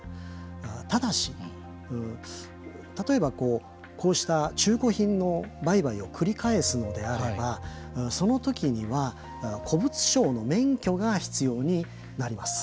ただし、例えばこうした中古品の売買を繰り返すようであればその時には、古物商の免許が必要になります。